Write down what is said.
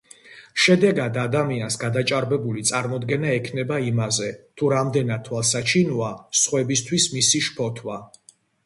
შედეგად, ადამიანს გადაჭარბებული წარმოდგენა ექმნება იმაზე, თუ რამდენად თვალსაჩინოა სხვებისთვის მისი შფოთვა.